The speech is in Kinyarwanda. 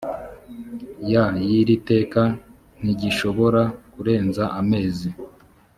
ya y iri teka ntigishobora kurenza amezi